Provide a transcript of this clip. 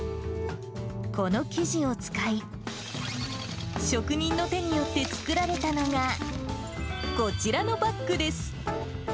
この生地を使い、職人の手によって作られたのが、こちらのバッグです。